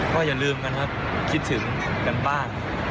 ก็อย่าลืมกันครับคิดถึงกันบ้าง